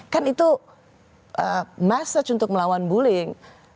kan itu message untuk melawan bullying